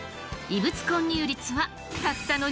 異物混入率はたったの２％！